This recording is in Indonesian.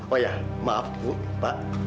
oh ya maaf pak